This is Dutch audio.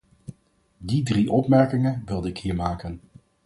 Die drie opmerkingen wilde ik hier maken.